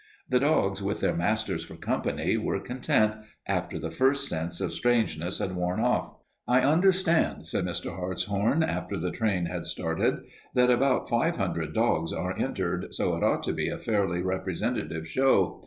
The dogs, with their masters for company, were content, after the first sense of strangeness had worn off. "I understand," said Mr. Hartshorn, after the train had started, "that about five hundred dogs are entered, so it ought to be a fairly representative show.